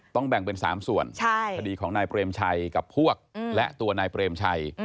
แบ่งเป็น๓ส่วนคดีของนายเปรมชัยกับพวกและตัวนายเปรมชัย